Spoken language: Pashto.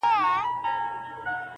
• وجود شراب شراب نشې نشې لرې که نه..